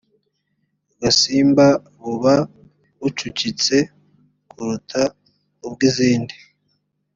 gasimba buba bucucitse kuruta ubw izindi